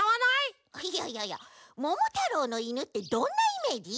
いやいやいやももたろうのイヌってどんなイメージ？